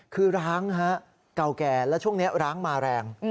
คือร้างฮะเก่าแก่แล้วช่วงนี้ร้างมาแรง